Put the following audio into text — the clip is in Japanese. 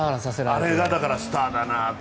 あれがスターだなと。